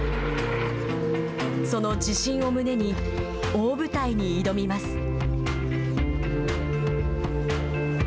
その自信を胸に大舞台に挑みます。